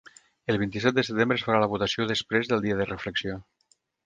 El vint-i-set de setembre es farà la votació després del dia de reflexió.